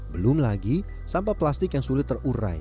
belum lagi sampah plastik yang sulit terurai